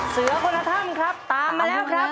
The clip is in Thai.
เสือคนละถ้ำครับตามมาแล้วครับ